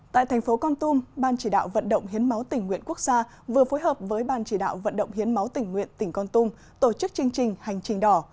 tại thành phố con tum ban chỉ đạo vận động hiến máu tỉnh nguyện quốc gia vừa phối hợp với ban chỉ đạo vận động hiến máu tỉnh nguyện tỉnh con tum tổ chức chương trình hành trình đỏ